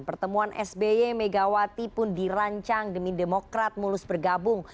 pertemuan sby megawati pun dirancang demi demokrat mulus bergabung